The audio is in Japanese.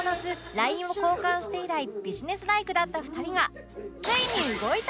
ＬＩＮＥ を交換して以来ビジネスライクだった２人がついに動いた！